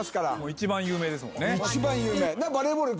一番有名ですもんね。